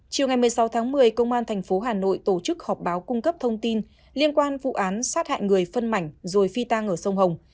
chiều ngày một mươi sáu tháng một mươi công an tp hà nội tổ chức họp báo cung cấp thông tin liên quan vụ án sát hại người phân mảnh rồi phi tang ở sông hồng